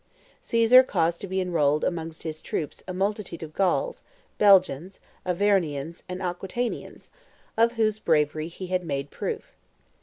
Caesar caused to be enrolled amongst his troops a multitude of Gauls, Belgians, Arvernians, and Aquitanians, of whose bravery he had made proof.